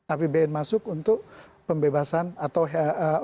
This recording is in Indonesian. apbn masuk untuk pembebasan atau untuk mengatasi